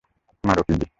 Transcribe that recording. মারো, কিজি।